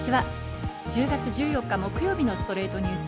１０月１４日、木曜日の『ストレイトニュース』。